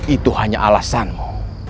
itu hanya alasanmu